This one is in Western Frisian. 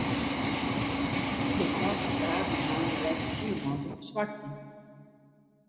De frou hat dagen dwaande west om de man te ferswakjen.